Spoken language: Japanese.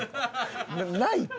ないって。